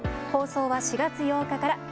放送は４月８日から。